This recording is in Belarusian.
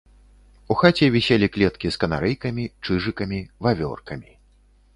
У хаце віселі клеткі з канарэйкамі, чыжыкамі, вавёркамі.